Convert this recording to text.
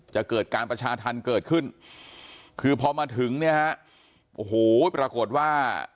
จะเกิดการประชาธรรมเกิดขึ้นคือพอมาถึงเนี่ยฮะโอ้โหปรากฏว่า